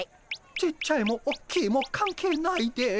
ちっちゃいもおっきいも関係ないです。